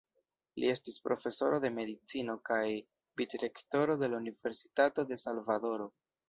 Li estis profesoro de Medicino kaj Vicrektoro de la Universitato de Salvadoro.